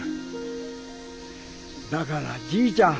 だからじいちゃん